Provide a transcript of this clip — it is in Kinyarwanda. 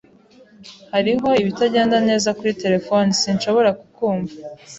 Hariho ibitagenda neza kuri terefone. Sinshobora kukumva.